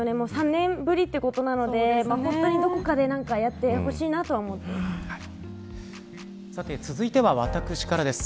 ３年ぶりということなので本当にどこかでやってほしいと思います。